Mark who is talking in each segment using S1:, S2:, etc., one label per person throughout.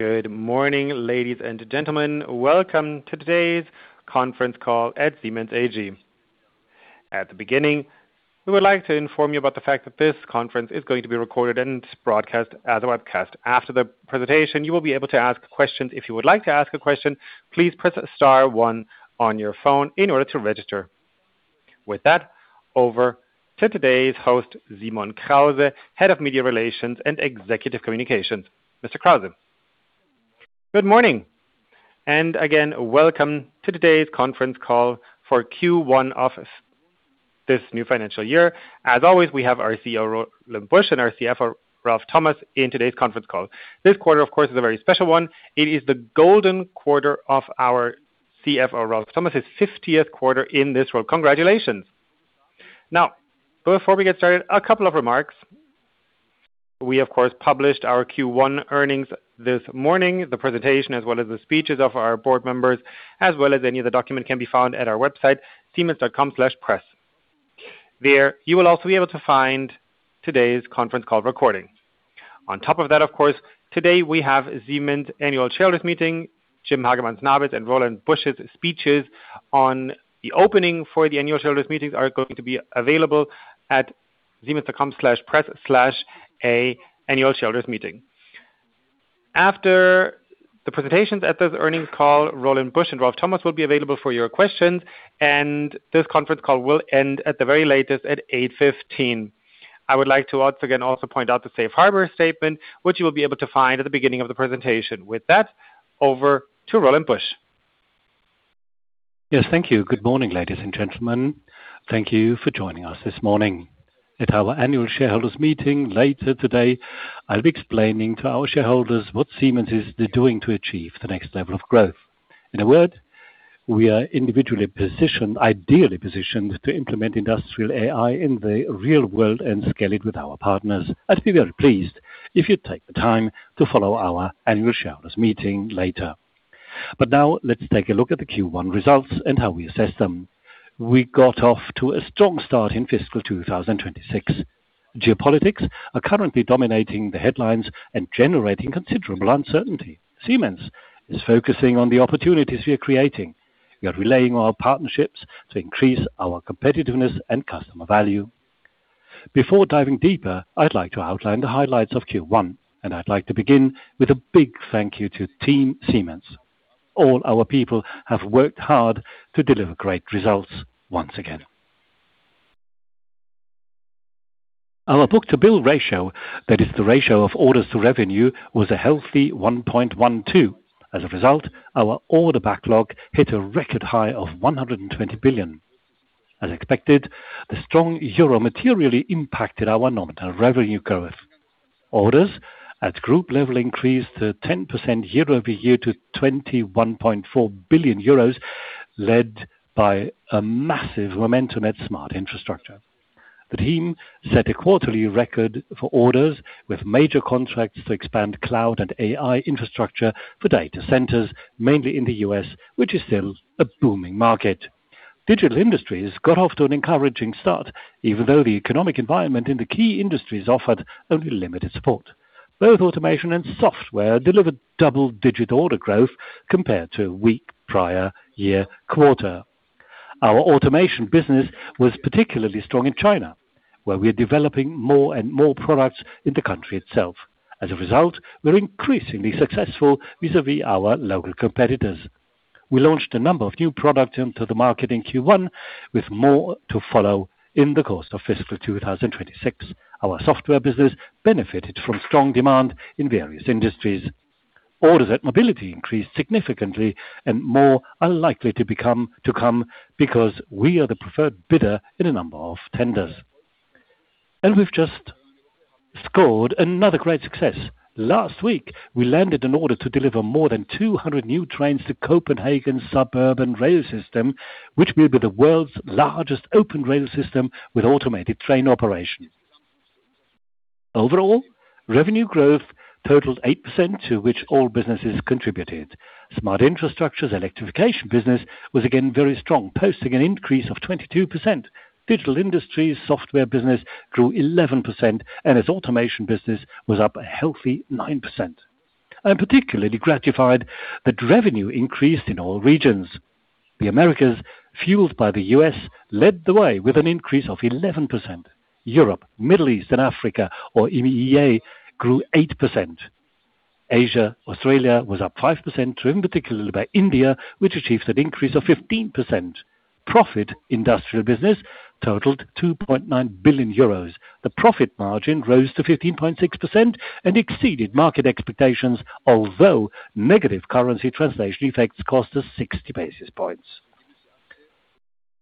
S1: Good morning, ladies and gentlemen. Welcome to today's Conference Call at Siemens AG. At the beginning, we would like to inform you about the fact that this conference is going to be recorded and broadcast as a webcast. After the presentation, you will be able to ask questions. If you would like to ask a question, please press star one on your phone in order to register. With that, over to today's host, Simon Krause, Head of Media Relations and Executive Communications. Mr. Krause.
S2: Good morning, and again, welcome to today's conference call for Q1 of this new financial year. As always, we have our CEO, Roland Busch, and our CFO, Ralf Thomas, in today's conference call. This quarter, of course, is a very special one. It is the golden quarter of our CFO, Ralf Thomas's 50th quarter in this role. Congratulations. Now, before we get started, a couple of remarks. We, of course, published our Q1 earnings this morning. The presentation, as well as the speeches of our board members, as well as any other document, can be found at our website, siemens.com/press. There you will also be able to find today's conference call recording. On top of that, of course, today we have Siemens Annual Shareholders Meeting. Jim Hagemann Snabe and Roland Busch's speeches on the opening for the Annual Shareholders Meetings are going to be available at siemens.com/press/a/annualshareholdersmeeting. After the presentations at this earnings call, Roland Busch and Ralf Thomas will be available for your questions, and this conference call will end at the very latest at 8:15. I would like to once again also point out the safe harbor statement, which you will be able to find at the beginning of the presentation. With that, over to Roland Busch.
S3: Yes, thank you. Good morning, ladies and gentlemen. Thank you for joining us this morning. At our annual shareholders meeting later today, I'll be explaining to our shareholders what Siemens is doing to achieve the next level of growth. In a word, we are individually positioned, ideally positioned, to implement Industrial AI in the real world and scale it with our partners. I'd be very pleased if you'd take the time to follow our annual shareholders meeting later. But now let's take a look at the Q1 results and how we assess them. We got off to a strong start in fiscal 2026. Geopolitics are currently dominating the headlines and generating considerable uncertainty. Siemens is focusing on the opportunities we are creating. We are relaying our partnerships to increase our competitiveness and customer value. Before diving deeper, I'd like to outline the highlights of Q1, and I'd like to begin with a big thank you to Team Siemens. All our people have worked hard to deliver great results once again. Our book-to-bill ratio, that is the ratio of orders to revenue, was a healthy 1.12x. As a result, our order backlog hit a record high of 120 billion. As expected, the strong euro materially impacted our nominal revenue growth. Orders at group level increased to 10% year-over-year to 21.4 billion euros, led by a massive momentum at Smart Infrastructure. The team set a quarterly record for orders with major contracts to expand cloud and AI infrastructure for data centers, mainly in the U.S., which is still a booming market. Digital Industries got off to an encouraging start, even though the economic environment in the key industries offered only limited support. Both automation and software delivered double-digit order growth compared to a weak prior year quarter. Our automation business was particularly strong in China, where we are developing more and more products in the country itself. As a result, we're increasingly successful vis-a-vis our local competitors. We launched a number of new products into the market in Q1, with more to follow in the course of fiscal 2026. Our software business benefited from strong demand in various industries. Orders at Mobility increased significantly and more are likely to come because we are the preferred bidder in a number of tenders. And we've just scored another great success. Last week, we landed an order to deliver more than 200 new trains to Copenhagen Suburban Rail System, which will be the world's largest open rail system with automated train operation. Overall, revenue growth totaled 8%, to which all businesses contributed. Smart Infrastructure's electrification business was again very strong, posting an increase of 22%. Digital Industries software business grew 11%, and its automation business was up a healthy 9%. I'm particularly gratified that revenue increased in all regions. The Americas, fueled by the US, led the way with an increase of 11%. Europe, Middle East and Africa, or EMEA, grew 8%. Asia, Australia was up 5%, driven particularly by India, which achieves an increase of 15%. Profit industrial business totaled 2.9 billion euros. The profit margin rose to 15.6% and exceeded market expectations, although negative currency translation effects cost us 60 basis points.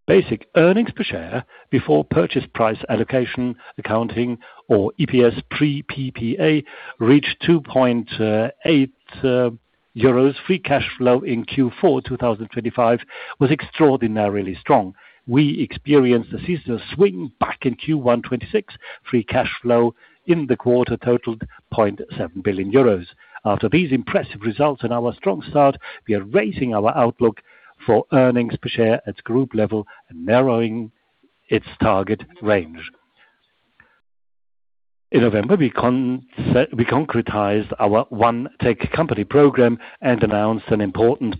S3: Basic earnings per share before purchase price allocation, accounting or EPS pre PPA, reached 2.8 euros. Free cash flow in Q4 2025 was extraordinarily strong. We experienced a seasonal swing back in Q1 2026. Free cash flow in the quarter totaled 0.7 billion euros. After these impressive results and our strong start, we are raising our outlook for earnings per share at group level and narrowing its target range. In November, we concretized our ONE Tech Company program and announced an important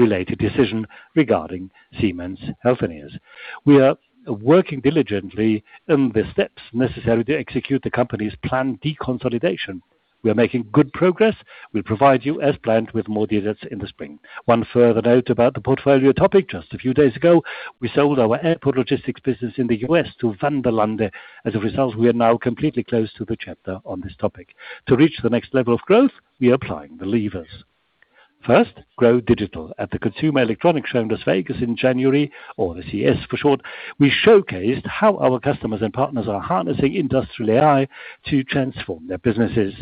S3: portfolio-related decision regarding Siemens Healthineers. We are working diligently on the steps necessary to execute the company's planned deconsolidation. We are making good progress. We'll provide you, as planned, with more details in the spring. One further note about the portfolio topic: Just a few days ago, we sold our airport logistics business in the U.S. to Vanderlande. As a result, we are now completely closed to the chapter on this topic. To reach the next level of growth, we are applying the levers. First, grow digital. At the Consumer Electronics Show in Las Vegas in January, or the CES for short, we showcased how our customers and partners are harnessing industrial AI to transform their businesses.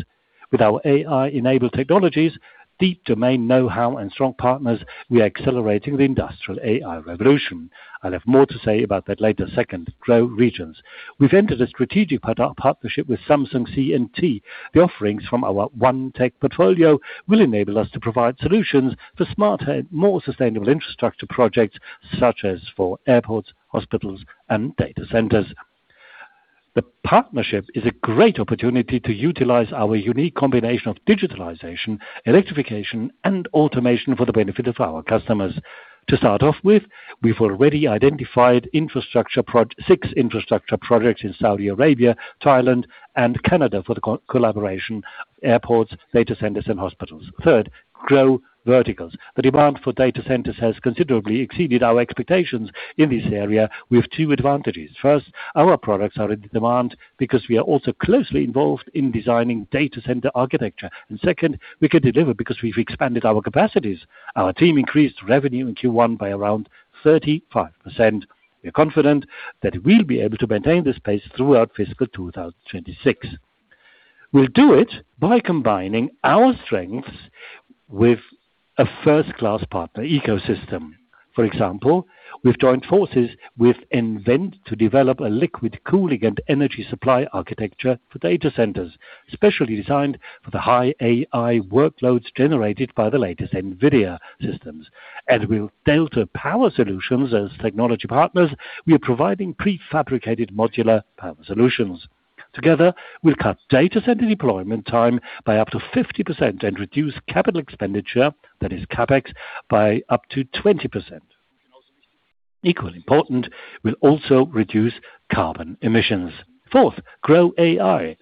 S3: With our AI-enabled technologies, deep domain know-how, and strong partners, we are accelerating the industrial AI revolution. I'll have more to say about that later. Second, grow regions. We've entered a strategic partnership with Samsung C&T. The offerings from our One Tech portfolio will enable us to provide solutions for smarter and more sustainable infrastructure projects, such as for airports, hospitals, and data centers. The partnership is a great opportunity to utilize our unique combination of digitalization, electrification, and automation for the benefit of our customers. To start off with, we've already identified infrastructure projects: six infrastructure projects in Saudi Arabia, Thailand, and Canada for the collaboration, airports, data centers, and hospitals. Third, grow verticals. The demand for data centers has considerably exceeded our expectations. In this area, we have two advantages: First, our products are in demand because we are also closely involved in designing data center architecture. And second, we can deliver because we've expanded our capacities. Our team increased revenue in Q1 by around 35%. We are confident that we'll be able to maintain this pace throughout fiscal 2026. We'll do it by combining our strengths with a first-class partner ecosystem. For example, we've joined forces with nVent to develop a liquid cooling and energy supply architecture for data centers, specially designed for the high AI workloads generated by the latest NVIDIA systems. And with Delta Power Solutions as technology partners, we are providing prefabricated modular power solutions. Together, we'll cut data center deployment time by up to 50% and reduce capital expenditure, that is CapEx, by up to 20%. Equally important, we'll also reduce carbon emissions. Fourth, grow AI.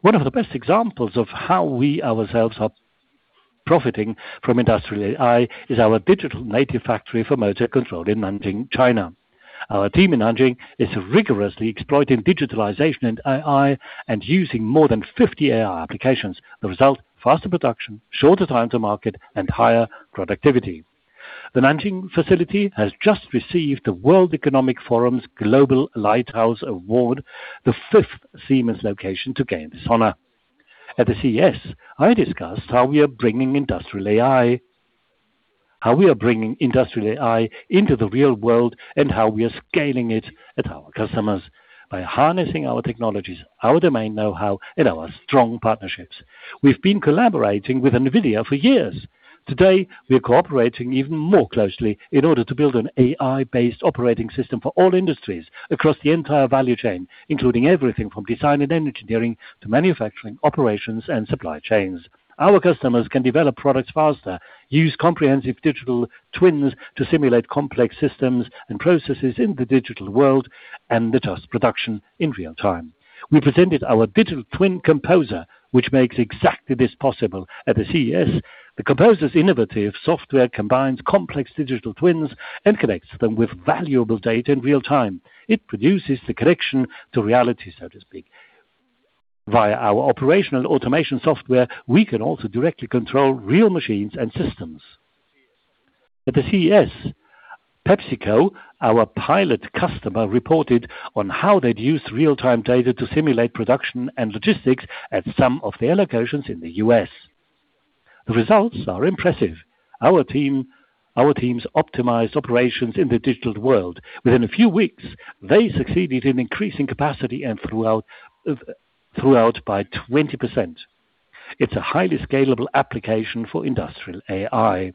S3: One of the best examples of how we ourselves are profiting from industrial AI is our digital native factory for motor control in Nanjing, China. Our team in Nanjing is rigorously exploiting digitalization and AI and using more than 50 AI applications. The result? Faster production, shorter time to market, and higher productivity. The Nanjing facility has just received the World Economic Forum's Global Lighthouse Award, the fifth Siemens location to gain this honor. At the CES, I discussed how we are bringing Industrial AI into the real world and how we are scaling it at our customers by harnessing our technologies, our domain know-how, and our strong partnerships. We've been collaborating with NVIDIA for years. Today, we are cooperating even more closely in order to build an AI-based operating system for all industries across the entire value chain, including everything from design and engineering to manufacturing, operations, and supply chains. Our customers can develop products faster, use comprehensive digital twins to simulate complex systems and processes in the digital world, and test production in real time. We presented our Digital Twin Composer, which makes exactly this possible. At the CES, the Composer's innovative software combines complex digital twins and connects them with valuable data in real time. It produces the connection to reality, so to speak. Via our operational automation software, we can also directly control real machines and systems. At the CES, PepsiCo, our pilot customer, reported on how they'd used real-time data to simulate production and logistics at some of their locations in the U.S. The results are impressive. Our teams optimize operations in the digital world. Within a few weeks, they succeeded in increasing capacity and throughput by 20%. It's a highly scalable application for Industrial AI.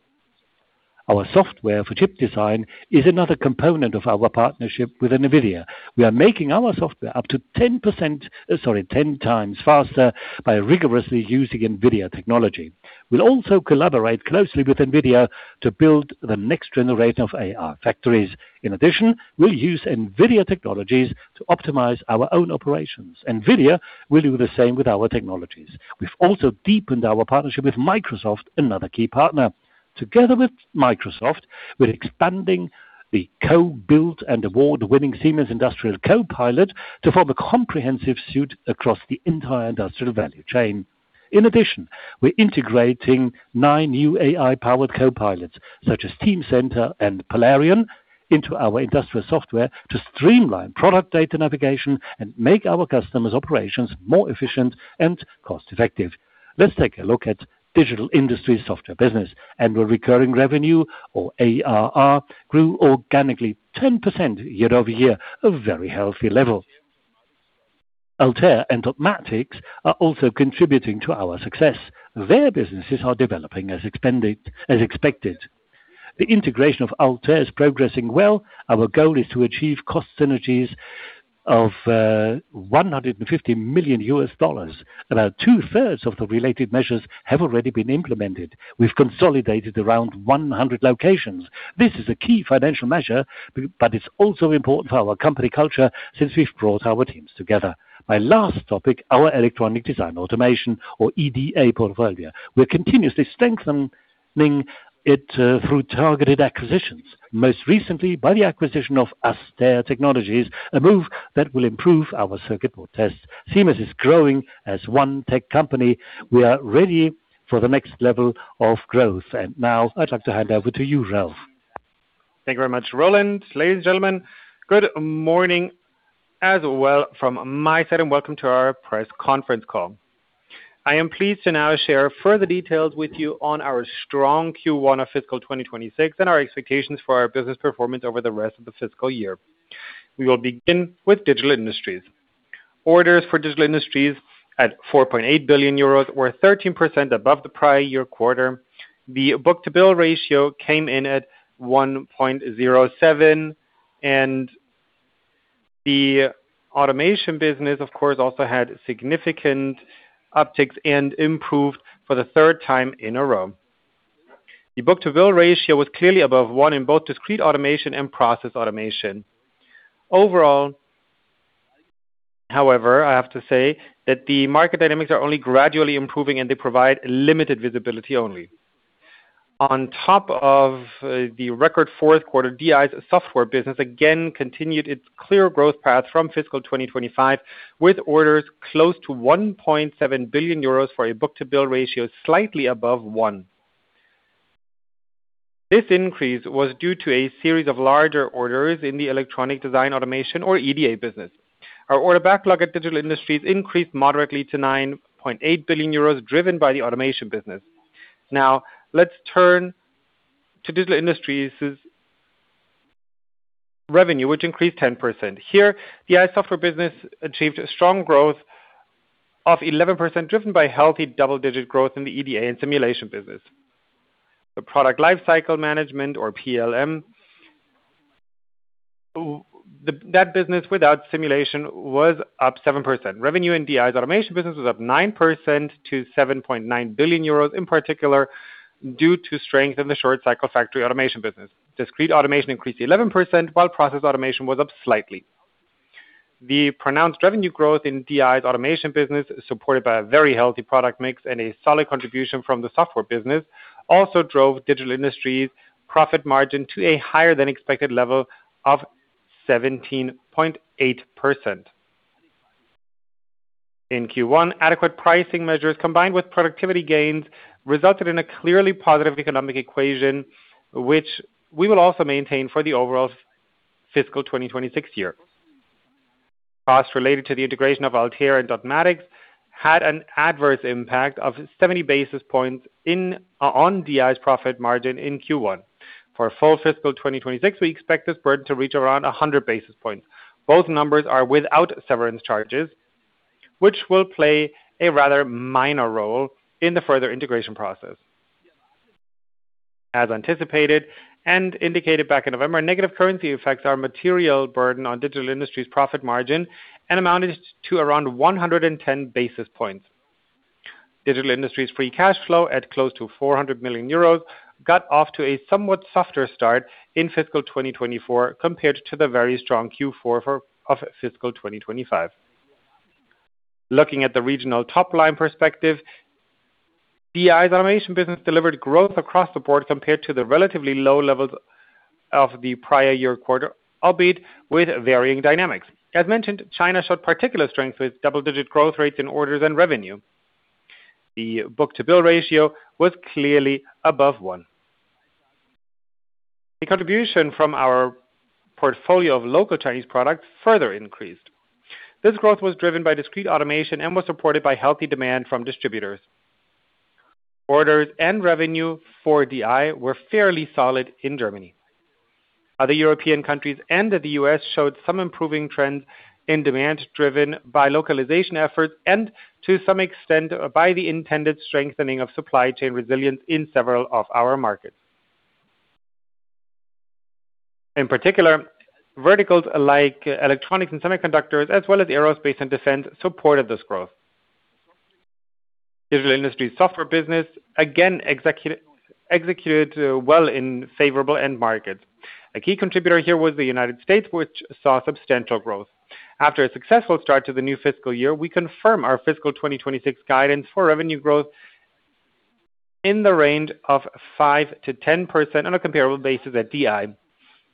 S3: Our software for chip design is another component of our partnership with NVIDIA. We are making our software up to 10%, sorry, 10x faster by rigorously using NVIDIA technology. We'll also collaborate closely with NVIDIA to build the next generation of AI factories. In addition, we'll use NVIDIA technologies to optimize our own operations. NVIDIA will do the same with our technologies. We've also deepened our partnership with Microsoft, another key partner. Together with Microsoft, we're expanding the co-built and award-winning Siemens Industrial Copilot to form a comprehensive suite across the entire industrial value chain. In addition, we're integrating nine new AI-powered copilots, such as Teamcenter and Polarion, into our industrial software to streamline product data navigation and make our customers' operations more efficient and cost-effective. Let's take a look at digital industry software business, and our recurring revenue, or ARR, grew organically 10% year-over-year, a very healthy level. Altair and Dotmatics are also contributing to our success. Their businesses are developing as expanding, as expected. The integration of Altair is progressing well. Our goal is to achieve cost synergies of $150 million. About 2/3 of the related measures have already been implemented. We've consolidated around 100 locations. This is a key financial measure, but it's also important for our company culture since we've brought our teams together. My last topic, our electronic design automation or EDA portfolio. We're continuously strengthening it through targeted acquisitions, most recently by the acquisition of ASTER Technologies, a move that will improve our circuit board test. Siemens is growing as one tech company. We are ready for the next level of growth. And now I'd like to hand over to you, Ralf.
S4: Thank you very much, Roland. Ladies and gentlemen, good morning as well from my side, and welcome to our press conference call. I am pleased to now share further details with you on our strong Q1 of fiscal 2026 and our expectations for our business performance over the rest of the fiscal year. We will begin with Digital Industries. Orders for Digital Industries at 4.8 billion euros were 13% above the prior year quarter. The book-to-bill ratio came in at 1.07x, and the automation business, of course, also had significant upticks and improved for the third time in a row. The book-to-bill ratio was clearly above 1x in both discrete automation and process automation. Overall, however, I have to say that the market dynamics are only gradually improving, and they provide limited visibility only. On top of the record fourth quarter, DI's software business again continued its clear growth path from fiscal 2025, with orders close to 1.7 billion euros for a book-to-bill ratio slightly above 1x. This increase was due to a series of larger orders in the electronic design automation, or EDA business. Our order backlog at Digital Industries increased moderately to 9.8 billion euros, driven by the automation business. Now, let's turn to Digital Industries' revenue, which increased 10%. Here, the AI software business achieved a strong growth of 11%, driven by healthy double-digit growth in the EDA and simulation business. The product lifecycle management or PLM, that business without simulation was up 7%. Revenue in DI's automation business was up 9% to 7.9 billion euros, in particular, due to strength in the short cycle Factory Automation business. Discrete Automation increased 11%, while Process Automation was up slightly. The pronounced revenue growth in DI's automation business, supported by a very healthy product mix and a solid contribution from the Software business, also drove Digital Industries' profit margin to a higher than expected level of 17.8%. In Q1, adequate pricing measures, combined with productivity gains, resulted in a clearly positive economic equation, which we will also maintain for the overall fiscal 2026 year. Costs related to the integration of Altair and Dotmatics had an adverse impact of 70 basis points in Q1 on DI's profit margin in Q1. For full fiscal 2026, we expect this burden to reach around 100 basis points. Both numbers are without severance charges, which will play a rather minor role in the further integration process. As anticipated and indicated back in November, negative currency effects are a material burden on Digital Industries' profit margin and amounted to around 110 basis points. Digital Industries' free cash flow, at close to 400 million euros, got off to a somewhat softer start in fiscal 2024, compared to the very strong Q4 of fiscal 2025. Looking at the regional top-line perspective, DI's automation business delivered growth across the board compared to the relatively low levels of the prior year quarter, albeit with varying dynamics. As mentioned, China showed particular strength with double-digit growth rates in orders and revenue. The book-to-bill ratio was clearly above 1x. The contribution from our portfolio of local Chinese products further increased. This growth was driven by discrete automation and was supported by healthy demand from distributors. Orders and revenue for DI were fairly solid in Germany. Other European countries and the U.S. showed some improving trends in demand, driven by localization efforts and to some extent by the intended strengthening of supply chain resilience in several of our markets. In particular, verticals like electronics and semiconductors, as well as aerospace and defense, supported this growth. Digital Industries software business, again, executed well in favorable end markets. A key contributor here was the United States, which saw substantial growth. After a successful start to the new fiscal year, we confirm our fiscal 2026 guidance for revenue growth in the range of 5%-10% on a comparable basis at DI.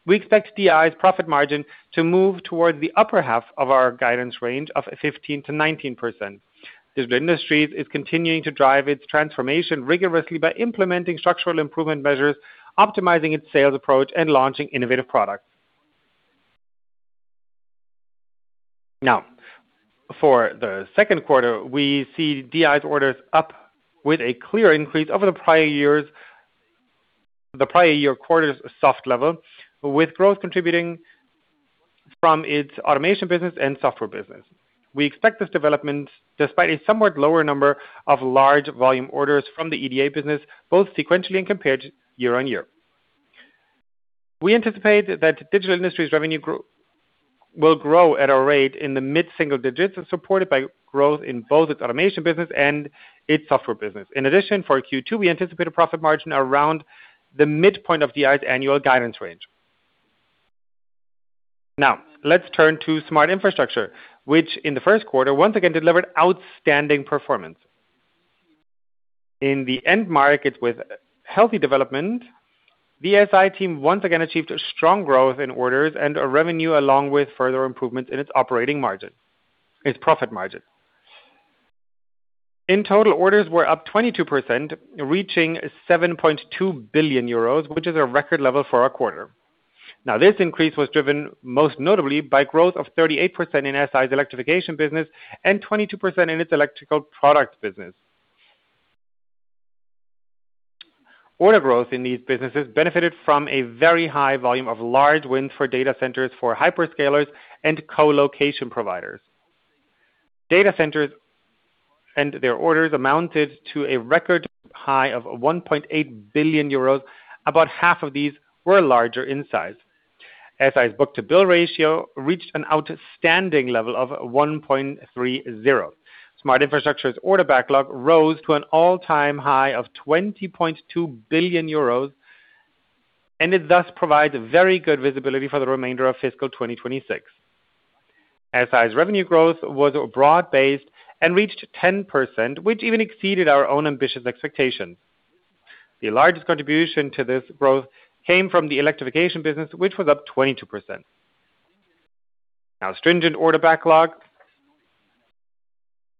S4: We expect DI's profit margin to move towards the upper half of our guidance range of 15%-19%. Digital Industries is continuing to drive its transformation rigorously by implementing structural improvement measures, optimizing its sales approach, and launching innovative products. Now, for the second quarter, we see DI's orders up with a clear increase over the prior year's, the prior year quarter's soft level, with growth contributing from its automation business and software business. We expect this development despite a somewhat lower number of large volume orders from the EDA business, both sequentially and compared year-on-year. We anticipate that Digital Industries revenue will grow at a rate in the mid-single digits, supported by growth in both its automation business and its software business. In addition, for Q2, we anticipate a profit margin around the midpoint of the annual guidance range. Now, let's turn to Smart Infrastructure, which in the first quarter, once again delivered outstanding performance. In the end markets with healthy development, the SI team once again achieved a strong growth in orders and a revenue, along with further improvement in its operating margin, its profit margin. In total, orders were up 22%, reaching 7.2 billion euros, which is a record level for our quarter. Now, this increase was driven most notably by growth of 38% in SI's Electrification business and 22% in its electrical product business. Order growth in these businesses benefited from a very high volume of large wins for data centers, for hyperscalers and colocation providers. Data centers and their orders amounted to a record high of 1.8 billion euros. About half of these were larger in size. SI's book-to-bill ratio reached an outstanding level of 1.30x. Smart Infrastructure's order backlog rose to an all-time high of 20.2 billion euros, and it thus provides very good visibility for the remainder of fiscal 2026. SI's revenue growth was broad-based and reached 10%, which even exceeded our own ambitious expectations. The largest contribution to this growth came from the electrification business, which was up 22%. Now, stringent order backlog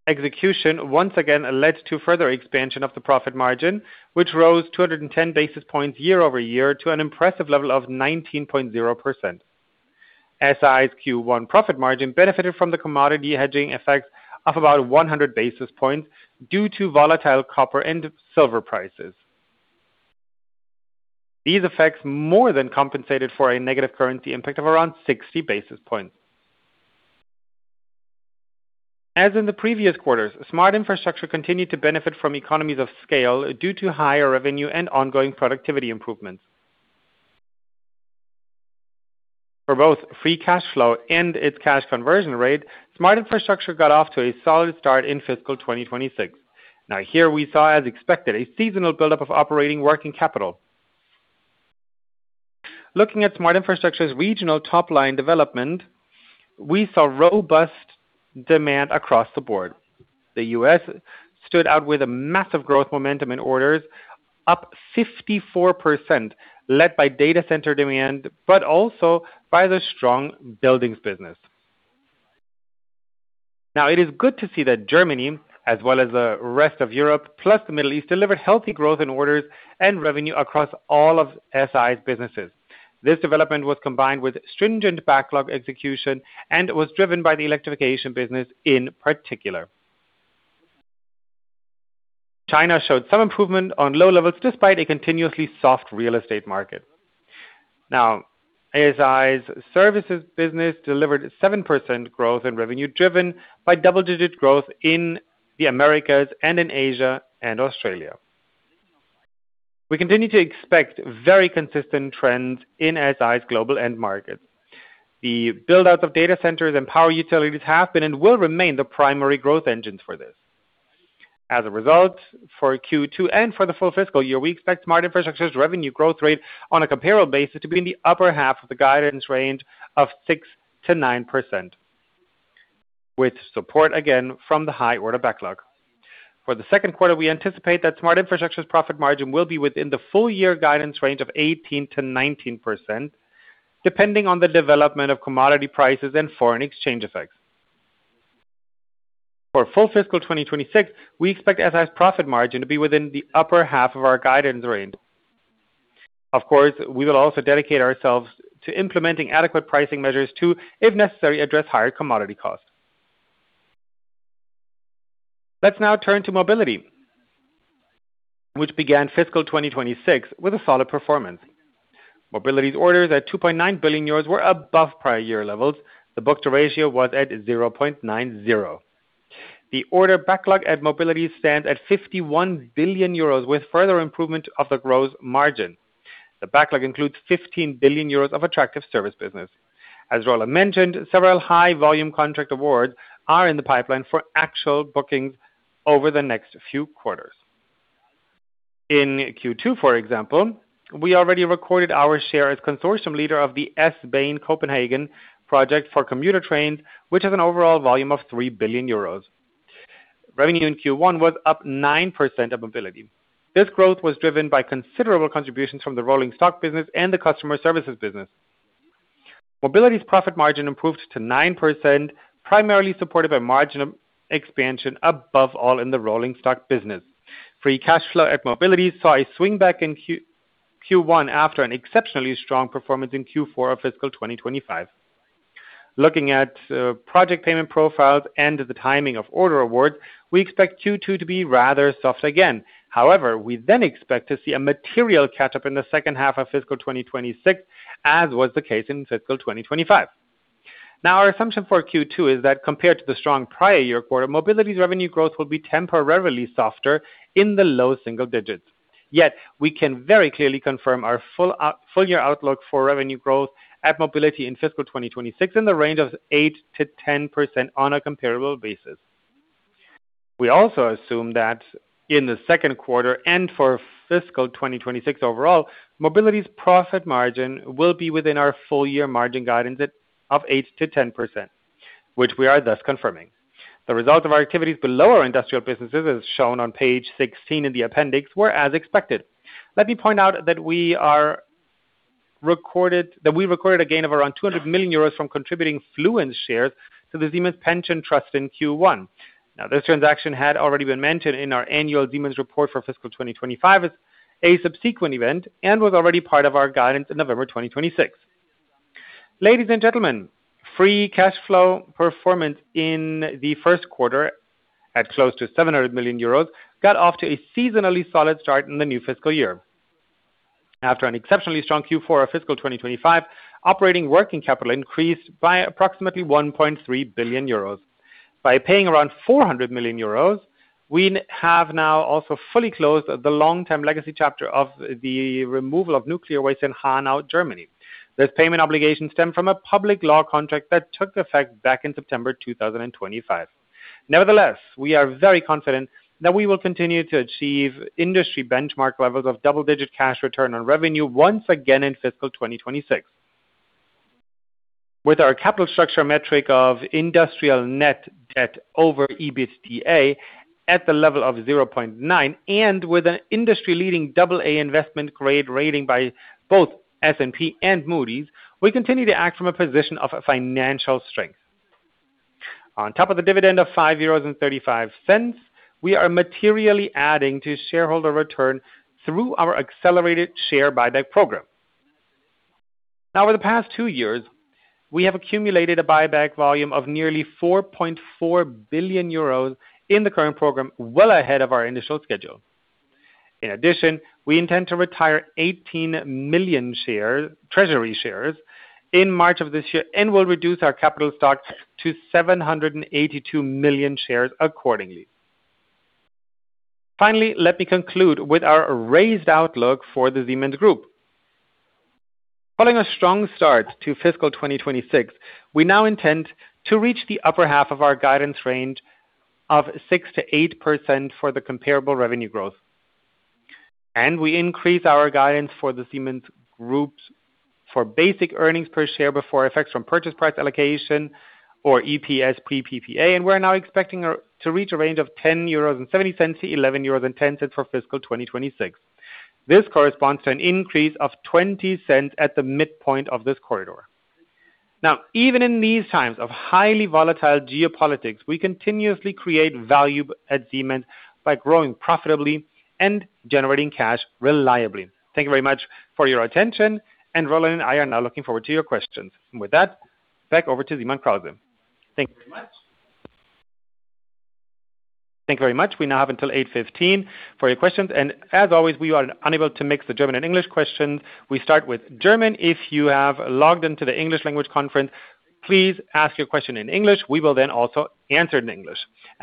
S4: execution, once again, led to further expansion of the profit margin, which rose 210 basis points year-over-year to an impressive level of 19.0%. SI's Q1 profit margin benefited from the commodity hedging effect of about 100 basis points due to volatile copper and silver prices. These effects more than compensated for a negative currency impact of around 60 basis points. As in the previous quarters, Smart Infrastructure continued to benefit from economies of scale due to higher revenue and ongoing productivity improvements. For both free cash flow and its cash conversion rate, Smart Infrastructure got off to a solid start in fiscal 2026. Now, here we saw, as expected, a seasonal buildup of operating working capital. Looking at Smart Infrastructure's regional top line development, we saw robust demand across the board. The U.S. stood out with a massive growth momentum in orders, up 54%, led by data center demand, but also by the strong buildings business. Now, it is good to see that Germany, as well as the rest of Europe, plus the Middle East, delivered healthy growth in orders and revenue across all of SI's businesses. This development was combined with stringent backlog execution and was driven by the electrification business in particular. China showed some improvement on low levels, despite a continuously soft real estate market. Now, SI's services business delivered 7% growth in revenue, driven by double-digit growth in the Americas and in Asia and Australia. We continue to expect very consistent trends in SI's global end markets. The build-out of data centers and power utilities have been and will remain the primary growth engines for this. As a result, for Q2 and for the full fiscal year, we expect Smart Infrastructure's revenue growth rate on a comparable basis to be in the upper half of the guidance range of 6%-9%, with support again from the high order backlog. For the second quarter, we anticipate that Smart Infrastructure's profit margin will be within the full year guidance range of 18%-19%, depending on the development of commodity prices and foreign exchange effects. For full fiscal 2026, we expect SI's profit margin to be within the upper half of our guidance range. Of course, we will also dedicate ourselves to implementing adequate pricing measures to, if necessary, address higher commodity costs. Let's now turn to mobility, which began fiscal 2026 with a solid performance. Mobility's orders at 2.9 billion euros were above prior year levels. The book-to-bill ratio was at 0.90x. The order backlog at mobility stands at 51 billion euros, with further improvement of the gross margin. The backlog includes 15 billion euros of attractive service business. As Roland mentioned, several high volume contract awards are in the pipeline for actual bookings over the next few quarters. In Q2, for example, we already recorded our share as consortium leader of the S-bahn Copenhagen project for commuter trains, which has an overall volume of 3 billion euros. Revenue in Q1 was up 9% of Mobility. This growth was driven by considerable contributions from the rolling stock business and the customer services business. Mobility's profit margin improved to 9%, primarily supported by margin expansion, above all, in the rolling stock business. Free cash flow at Mobility saw a swing back in Q1 after an exceptionally strong performance in Q4 of fiscal 2025. Looking at project payment profiles and the timing of order awards, we expect Q2 to be rather soft again. However, we then expect to see a material catch-up in the second half of fiscal 2026, as was the case in fiscal 2025. Now, our assumption for Q2 is that compared to the strong prior year quarter, Mobility's revenue growth will be temporarily softer in the low single digits. Yet, we can very clearly confirm our full year outlook for revenue growth at Mobility in fiscal 2026, in the range of 8%-10% on a comparable basis. We also assume that in the second quarter and for fiscal 2026 overall, Mobility's profit margin will be within our full year margin guidance of, of 8%-10%, which we are thus confirming. The results of our activities below our industrial businesses, as shown on page 16 in the appendix, were as expected. Let me point out that we recorded a gain of around 200 million euros from contributing Fluence shares to the Siemens Pension Trust in Q1. Now, this transaction had already been mentioned in our annual Siemens report for fiscal 2025 as a subsequent event and was already part of our guidance in November 2026. Ladies and gentlemen, free cash flow performance in the first quarter, at close to 700 million euros, got off to a seasonally solid start in the new fiscal year. After an exceptionally strong Q4 of fiscal 2025, operating working capital increased by approximately 1.3 billion euros. By paying around 400 million euros, we have now also fully closed the long-term legacy chapter of the removal of nuclear waste in Hanau, Germany. This payment obligation stemmed from a public law contract that took effect back in September 2025. Nevertheless, we are very confident that we will continue to achieve industry benchmark levels of double-digit cash return on revenue once again in fiscal 2026. With our capital structure metric of industrial net debt over EBITDA at the level of 0.9x, and with an industry-leading double-A investment grade rating by both S&P and Moody's, we continue to act from a position of financial strength. On top of the dividend of 5.35 euros, we are materially adding to shareholder return through our accelerated share buyback program. Now, over the past two years, we have accumulated a buyback volume of nearly 4.4 billion euros in the current program, well ahead of our initial schedule. In addition, we intend to retire 18 million shares, treasury shares, in March of this year, and will reduce our capital stock to 782 million shares accordingly. Finally, let me conclude with our raised outlook for the Siemens Group. Following a strong start to fiscal 2026, we now intend to reach the upper half of our guidance range of 6%-8% for the comparable revenue growth. We increase our guidance for the Siemens Group for basic earnings per share before effects from purchase price allocation or EPS PPA, and we're now expecting to reach a range of 10.70-11.10 euros for fiscal 2026. This corresponds to an increase of 0.20 at the midpoint of this corridor. Now, even in these times of highly volatile geopolitics, we continuously create value at Siemens by growing profitably and generating cash reliably. Thank you very much for your attention, and Roland and I are now looking forward to your questions. With that, back over to Simon Krause. Thank you very much.
S2: Thank you very much. We now have until 8:15 for your questions, and as always, we are unable to mix the German and English questions. We start with German. If you have logged into the English language conference, please ask your question in English. We will then also answer in English.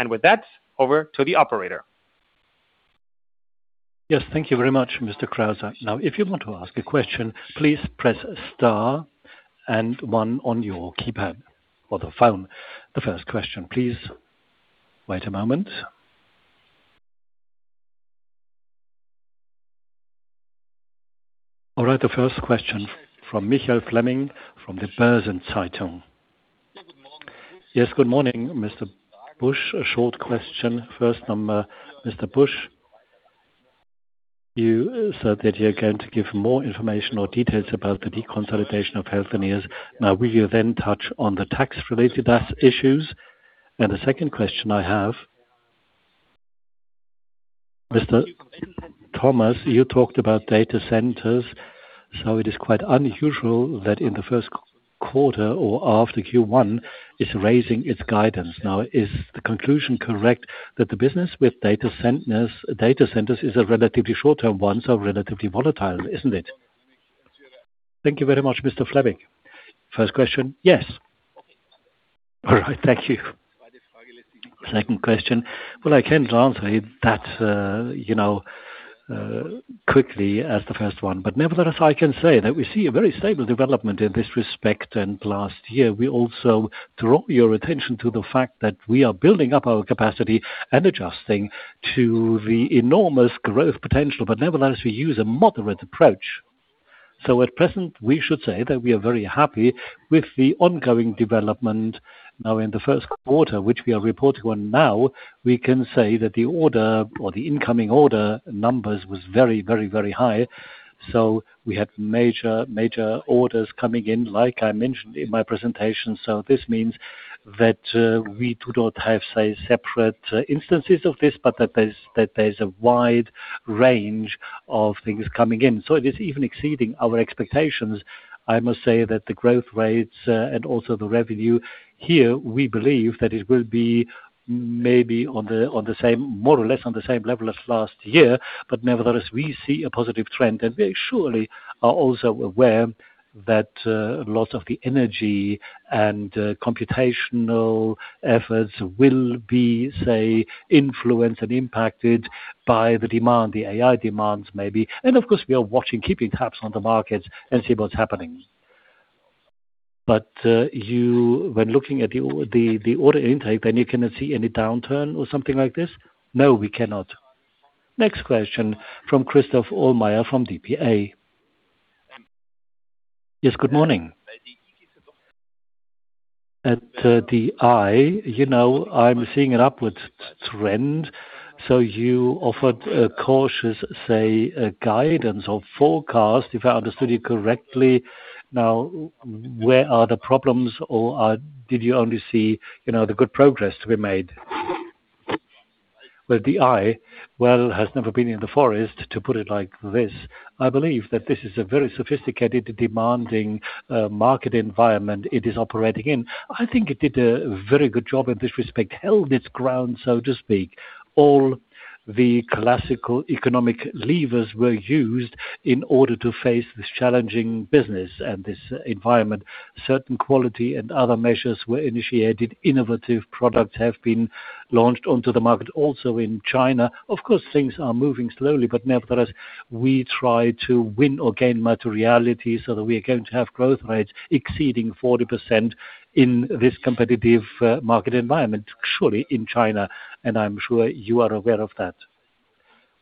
S2: With that, over to the operator.
S1: Yes, thank you very much, Mr. Krause. Now, if you want to ask a question, please press star and one on your keypad or the phone. The first question, please. Wait a moment. All right, the first question from Michael Fleming.
S5: Yes, good morning, Mr. Busch. A short question. First, Mr. Busch, you said that you're going to give more information or details about the deconsolidation of Healthineers. Now, will you then touch on the tax-related issues? And the second question I have, Mr. Thomas, you talked about data centers, so it is quite unusual that in the first quarter or after Q1, is raising its guidance. Now, is the conclusion correct that the business with data centers, data centers is a relatively short-term one, so relatively volatile, isn't it?
S3: Thank you very much, Mr. Fleming. First question?
S5: Yes.
S3: All right, thank you. Second question. Well, I can't answer it that, you know, quickly as the first one, but nevertheless, I can say that we see a very stable development in this respect. And last year, we also draw your attention to the fact that we are building up our capacity and adjusting to the enormous growth potential, but nevertheless, we use a moderate approach. So at present, we should say that we are very happy with the ongoing development. Now in the first quarter, which we are reporting on now, we can say that the order or the incoming order numbers was very, very, very high. So we had major, major orders coming in, like I mentioned in my presentation. So this means that, we do not have, say, separate instances of this, but that there's, that there's a wide range of things coming in. So it is even exceeding our expectations. I must say that the growth rates and also the revenue. Here, we believe that it will be maybe on the same, more or less on the same level as last year. But nevertheless, we see a positive trend, and we surely are also aware that a lot of the energy and computational efforts will be, say, influenced and impacted by the demand, the AI demands, maybe. And of course, we are watching, keeping tabs on the markets and see what's happening.
S5: But you, when looking at the order intake, then you cannot see any downturn or something like this?
S3: No, we cannot.
S1: Next question from Christoph Meyer from dpa.
S6: Yes, good morning. At DI, you know, I'm seeing an upwards trend. So you offered a cautious, say, a guidance or forecast, if I understood you correctly. Now, where are the problems, or did you only see, you know, the good progress to be made?
S3: Well, DI has never been in the forest, to put it like this. I believe that this is a very sophisticated, demanding market environment it is operating in. I think it did a very good job in this respect, held its ground, so to speak. All the classical economic levers were used in order to face this challenging business and this environment. Certain quality and other measures were initiated. Innovative products have been launched onto the market, also in China. Of course, things are moving slowly, but nevertheless, we try to win or gain materiality so that we are going to have growth rates exceeding 40% in this competitive market environment, surely in China, and I'm sure you are aware of that.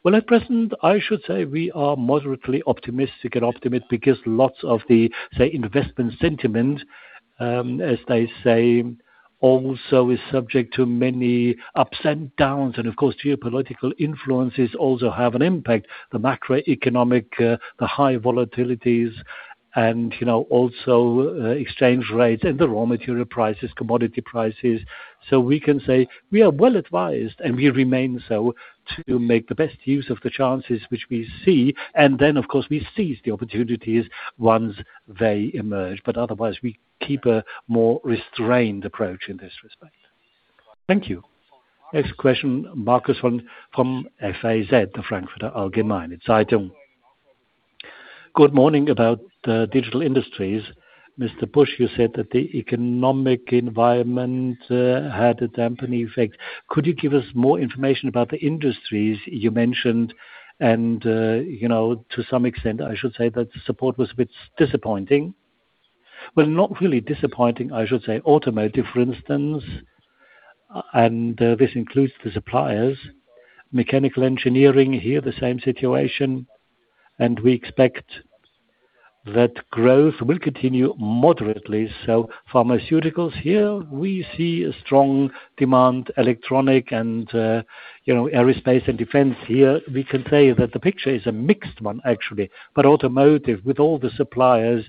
S3: Well, at present, I should say we are moderately optimistic and optimist because lots of the, say, investment sentiment, as they say, also is subject to many ups and downs, and of course, geopolitical influences also have an impact. The macroeconomic, the high volatilities and, you know, also, exchange rates and the raw material prices, commodity prices. So we can say we are well advised, and we remain so, to make the best use of the chances which we see. And then, of course, we seize the opportunities once they emerge, but otherwise we keep a more restrained approach in this respect.
S6: Thank you.
S1: Next question, Marcus from FAZ, the Frankfurter Allgemeine Zeitung.
S7: Good morning. About the Digital Industries. Mr. Busch, you said that the economic environment had a damping effect. Could you give us more information about the industries you mentioned? And, you know, to some extent, I should say that the support was a bit disappointing.
S3: Well, not really disappointing. I should say automotive, for instance, and this includes the suppliers. Mechanical engineering, here, the same situation, and we expect that growth will continue moderately. So pharmaceuticals here, we see a strong demand, electronic and, you know, aerospace and defense. Here, we can say that the picture is a mixed one, actually. But automotive, with all the suppliers,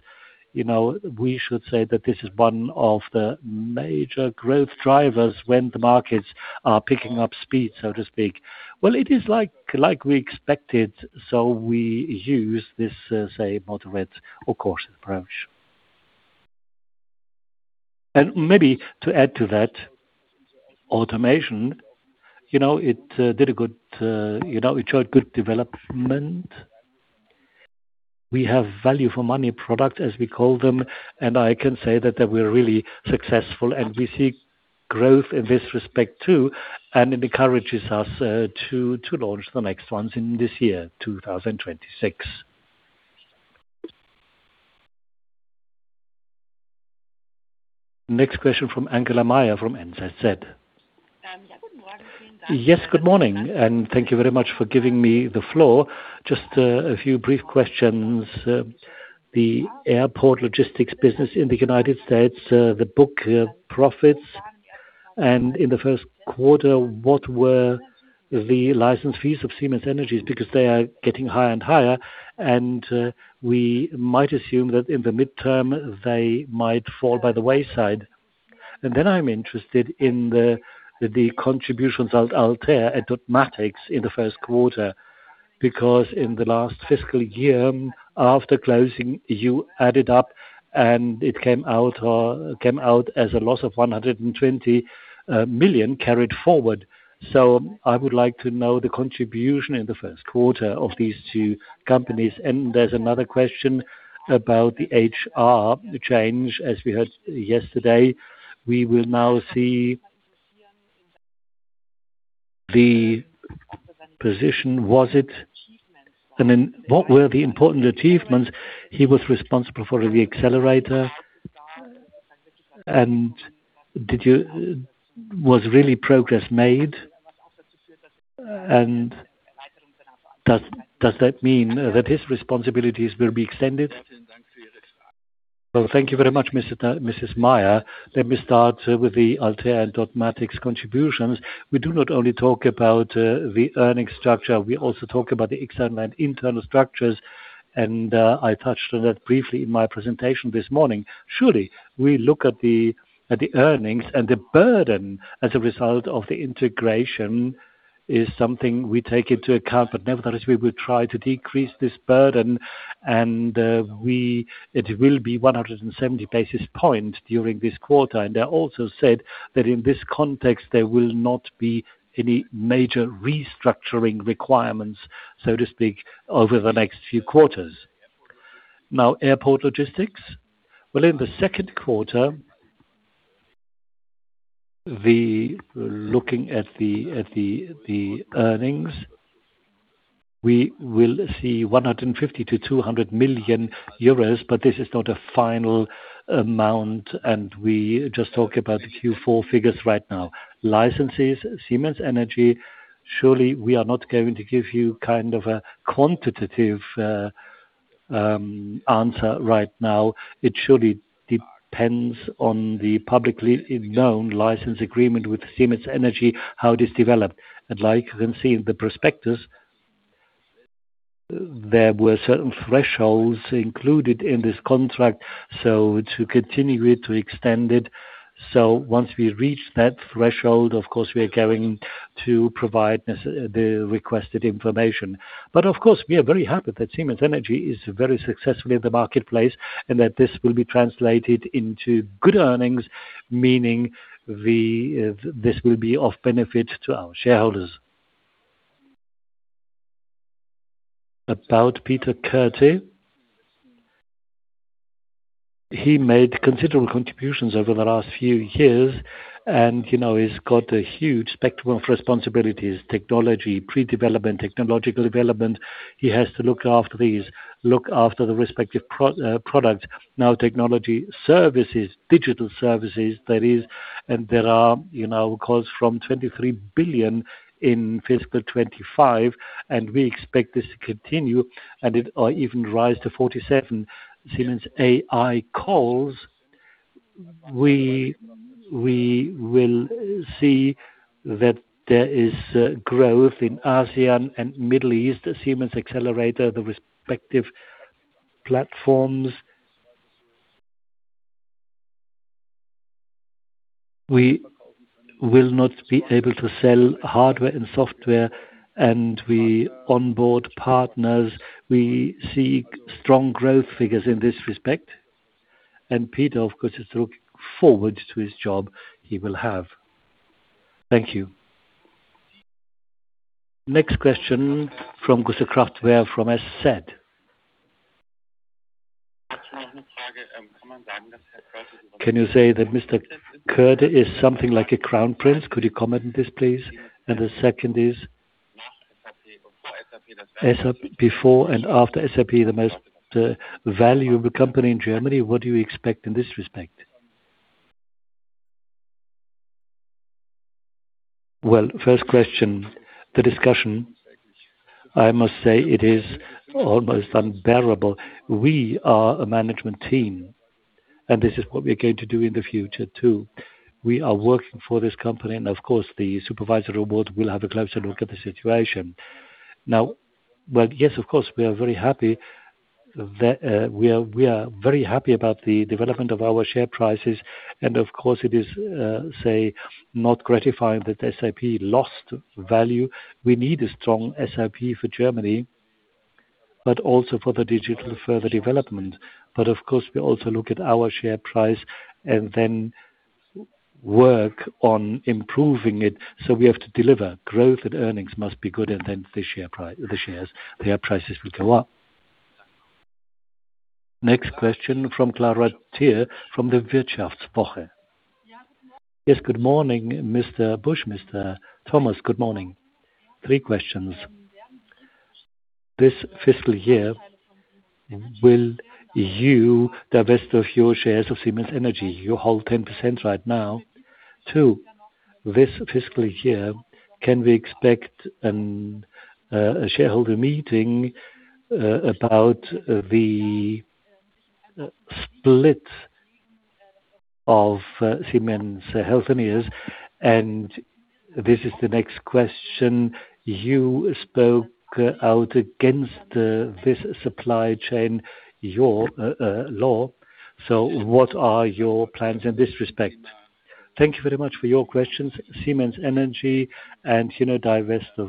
S3: you know, we should say that this is one of the major growth drivers when the markets are picking up speed, so to speak. Well, it is like we expected, so we use this, say, moderate or cautious approach.
S4: Maybe to add to that, automation, you know, it did a good, you know, it showed good development. We have value for money product, as we call them, and I can say that they were really successful and we see growth in this respect, too, and it encourages us, to launch the next ones in this year, 2026.
S1: Next question from Angela Maier from NZZ.
S8: Yes, good morning, and thank you very much for giving me the floor. Just, a few brief questions. The airport logistics business in the United States, the book, profits and in the first quarter, what were the license fees of Siemens Energy? Because they are getting higher and higher, and we might assume that in the midterm they might fall by the wayside. And then I'm interested in the contributions of Altair and Dotmatics in the first quarter, because in the last fiscal year, after closing, you added up and it came out or came out as a loss of 120 million carried forward. So I would like to know the contribution in the first quarter of these two companies. And there's another question about the HR change. As we heard yesterday, we will now see the position, was it? And then what were the important achievements? He was responsible for the accelerator, and did you? Was really progress made? And does that mean that his responsibilities will be extended?
S4: Well, thank you very much, Mrs. Meyer. Let me start with the Altair and Dotmatics contributions. We do not only talk about the earnings structure, we also talk about the external and internal structures, and I touched on that briefly in my presentation this morning. Surely, we look at the earnings and the burden as a result of the integration is something we take into account, but nevertheless, we will try to decrease this burden, and we, it will be 170 basis points during this quarter. I also said that in this context, there will not be any major restructuring requirements, so to speak, over the next few quarters. Now, airport logistics. Well, in the second quarter, the earnings, we will see 150 million-200 million euros, but this is not a final amount, and we just talk about the Q4 figures right now. Licenses, Siemens Energy, surely we are not going to give you kind of a quantitative answer right now. It surely depends on the publicly known license agreement with Siemens Energy, how this developed. And like you can see in the prospectus, there were certain thresholds included in this contract, so to continue it, to extend it. So once we reach that threshold, of course, we are going to provide the requested information. But of course, we are very happy that Siemens Energy is very successfully in the marketplace and that this will be translated into good earnings, meaning we, this will be of benefit to our shareholders. About Peter Koerte. He made considerable contributions over the last few years and, you know, he's got a huge spectrum of responsibilities, technology, pre-development, technological development. He has to look after these, look after the respective product. Now, technology services, digital services, that is, and there are, you know, goals from 23 billion in fiscal 2025, and we expect this to continue and it, or even rise to 47 billion. Siemens AI goals, we, we will see that there is, growth in ASEAN and Middle East, as Siemens Xcelerator, the respective platforms. We will not be able to sell hardware and software, and we onboard partners. We see strong growth figures in this respect, and Peter, of course, is looking forward to his job he will have.
S8: Thank you.
S1: Next question from [Gusset Kraftware from S&P].
S9: Can you say that Mr. Koerte is something like a crown prince? Could you comment on this, please? And the second is, ASAP, before and after SAP, the most valuable company in Germany, what do you expect in this respect?
S3: Well, first question, the discussion, I must say it is almost unbearable. We are a management team, and this is what we're going to do in the future, too. We are working for this company, and of course, the supervisory board will have a closer look at the situation. Now, but yes, of course, we are very happy that we are very happy about the development of our share prices, and of course, it is say not gratifying that SAP lost value. We need a strong SAP for Germany, but also for the digital further development. But of course, we also look at our share price and then work on improving it, so we have to deliver. Growth and earnings must be good, and then the share pri-- the shares, their prices will go up.
S1: Next question from Clara Thier, from the WirtschaftsWoche.
S10: Yes, good morning, Mr. Busch, Mr. Thomas, good morning. Three questions. This fiscal year, will you divest of your shares of Siemens Energy? You hold 10% right now. Two, this fiscal year, can we expect a shareholder meeting about the split of Siemens Healthineers? This is the next question: You spoke out against this Supply Chain Law. So what are your plans in this respect?
S3: Thank you very much for your questions. Siemens Energy and, you know, divest of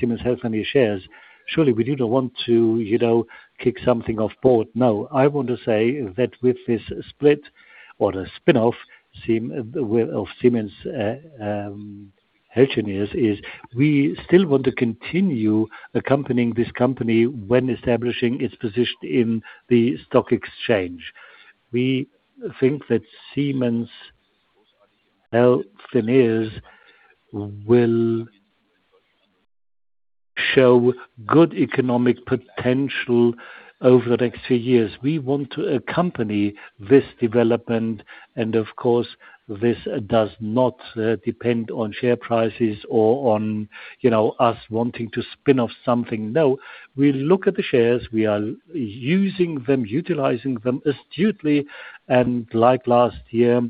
S3: Siemens Healthineers shares. Surely, we do not want to, you know, kick something off board. No, I want to say that with this split or the spinoff of Siemens Healthineers, we still want to continue accompanying this company when establishing its position in the stock exchange. We think that Siemens Healthineers will show good economic potential over the next few years. We want to accompany this development, and of course, this does not depend on share prices or on, you know, us wanting to spin off something. No, we look at the shares, we are using them, utilizing them astutely, and like last year,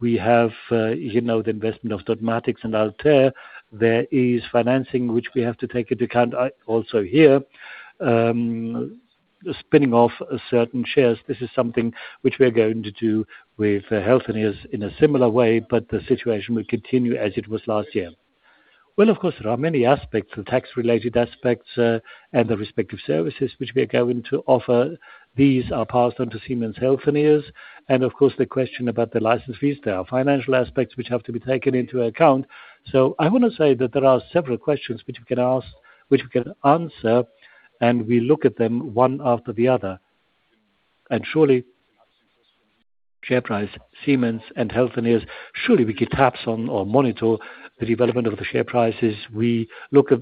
S3: we have, you know, the investment of Dotmatics and Altair. There is financing, which we have to take into account, also here. Spinning off certain shares, this is something which we are going to do with Healthineers in a similar way, but the situation will continue as it was last year. Well, of course, there are many aspects, the tax-related aspects, and the respective services which we are going to offer. These are passed on to Siemens Healthineers, and of course, the question about the license fees, there are financial aspects which have to be taken into account. So I want to say that there are several questions which we can ask, which we can answer, and we look at them one after the other. Surely, share price, Siemens and Healthineers, surely we keep tabs on or monitor the development of the share prices. We look at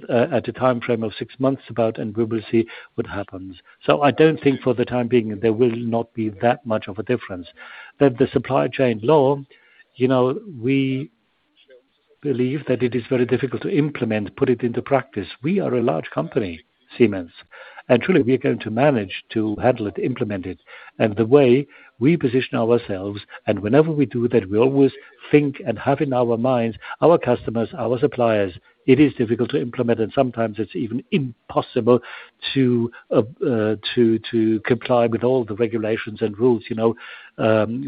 S3: a time frame of six months about, and we will see what happens. So I don't think for the time being, there will not be that much of a difference. That the supply chain law, you know, we believe that it is very difficult to implement, put it into practice. We are a large company, Siemens, and truly, we are going to manage to handle it, implement it, and the way we position ourselves, and whenever we do that, we always think and have in our minds, our customers, our suppliers. It is difficult to implement, and sometimes it's even impossible to comply with all the regulations and rules, you know,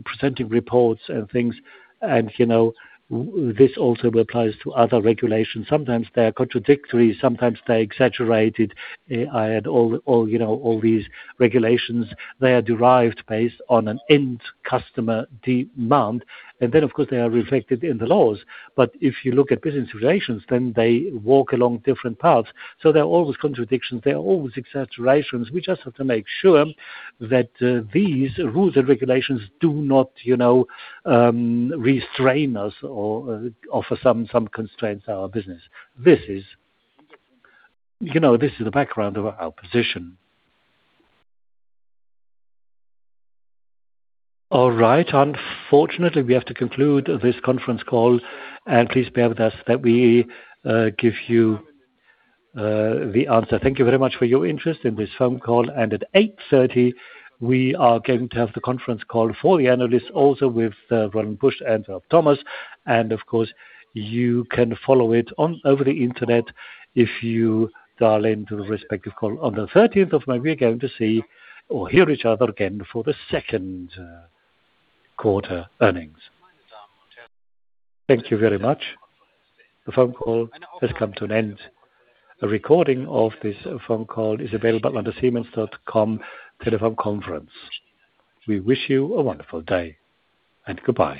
S3: presenting reports and things. And, you know, this also applies to other regulations. Sometimes they are contradictory, sometimes they exaggerated. I had all, all, you know, all these regulations. They are derived based on an end customer demand, and then, of course, they are reflected in the laws. But if you look at business relations, then they walk along different paths. So there are always contradictions. There are always exaggerations. We just have to make sure that these rules and regulations do not, you know, restrain us or offer some constraints to our business. This is, you know, this is the background of our position.
S2: All right, unfortunately, we have to conclude this conference call, and please bear with us that we give you the answer. Thank you very much for your interest in this phone call, and at 8:30, we are going to have the conference call for the analysts, also with, Roland Busch and Ralf Thomas. And of course, you can follow it on over the Internet if you dial into the respective call. On the 13 of May, we're going to see or hear each other again for the second quarter earnings.
S1: Thank you very much. The phone call has come to an end. A recording of this phone call is available under siemens.com, telephone conference. We wish you a wonderful day, and goodbye.